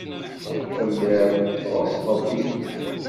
Telliḍ tɣeṣṣbeḍ tikli.